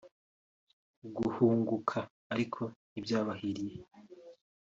Guhunguka ariko ntibyabahiriye